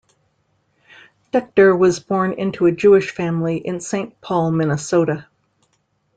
Decter was born into a Jewish family in Saint Paul, Minnesota.